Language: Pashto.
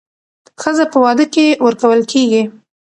ښځه په واده کې ورکول کېږي